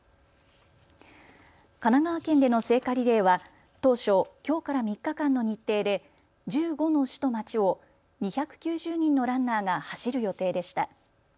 神奈川県での聖火リレーは当初、きょうから３日間の日程で１５の市と町を２９０人のランナーが走る予定でした。